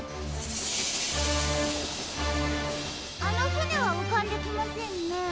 あのふねはうかんできませんね。